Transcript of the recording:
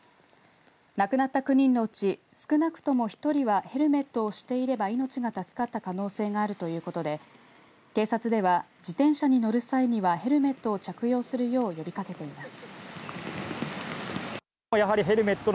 亡くなった９人のうち少なくとも１人はヘルメットをしていれば命が助かった可能性があるということで、警察では自転車に乗る際にはヘルメットを着用するよう呼びかけています。